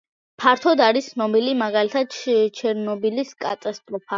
ფართოდ არის ცნობილი მაგალითად ჩერნობილის კატასტროფა.